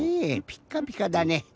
ピッカピカだね。